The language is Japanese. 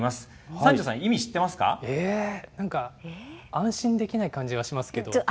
三條さん、えー？なんか安心できない感じはしますけど。